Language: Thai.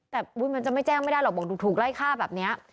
แต่มันจะไม่แจ้งไม่ได้หรอกบอกถูกไล่ฆ่าแบบนี้